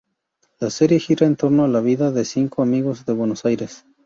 La serie gira en torno a la vida de cinco amigos de Buenos Aires.